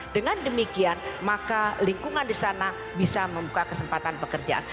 dengan demikian maka lingkungan di sana bisa membuka kesempatan pekerjaan